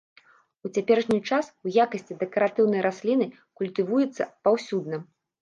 У цяперашні час у якасці дэкаратыўнай расліны культывуецца паўсюдна.